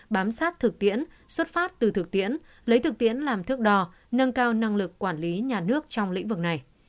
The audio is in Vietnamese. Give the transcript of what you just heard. bám sát thực tiễn xuất phát từ thực tiễn lấy thực tiễn làm thước đo nâng cao năng lực quản lý nhà nước trong lĩnh vực này